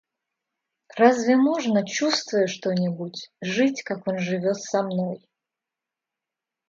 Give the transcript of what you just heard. Разве можно, чувствуя что-нибудь, жить, как он живет со мной?